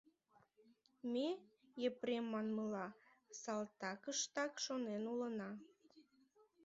Ме, Епрем манмыла, салтакыштак шонен улына.